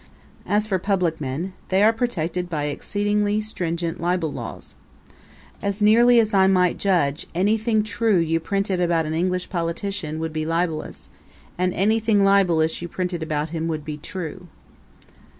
As for public men, they are protected by exceedingly stringent libel laws. As nearly as I might judge, anything true you printed about an English politician would be libelous, and anything libelous you printed about him would be true.